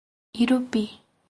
Irupi